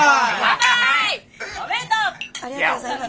ありがとうございます。